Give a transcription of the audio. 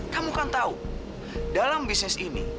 kamu kan tahu dalam bisnis ini